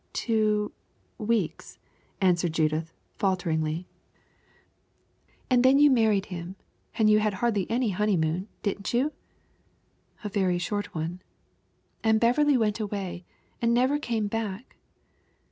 "Two weeks," answered Judith, falteringly. "And then you married him, and you had hardly any honeymoon, didn't you?" "A very short one." "And Beverley went away, and never came back."